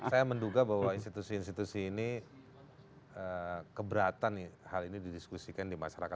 saya menduga bahwa institusi institusi ini keberatan hal ini didiskusikan di masyarakat